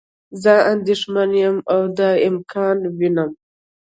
زه اندیښمند یم او دا امکان وینم.